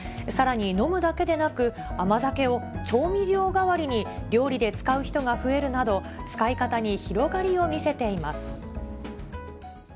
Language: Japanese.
さらに、飲むだけでなく、甘酒を調味料代わりに料理で使う人が増えるなど、使い方に広がりを見せています。